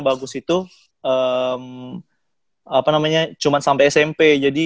sekolah katoliknya bagus itu cuma sampai smp